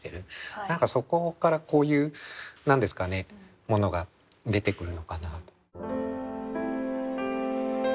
何かそこからこういう何ですかねものが出てくるのかなと。